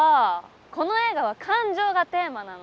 この映画は感情がテーマなの。